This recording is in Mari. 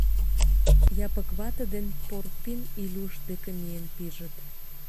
Япык вате ден Порпин Илюш деке миен пижыт.